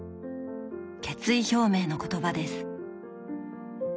決意表明の言葉です。